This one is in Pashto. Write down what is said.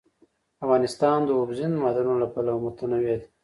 افغانستان د اوبزین معدنونه له پلوه متنوع دی.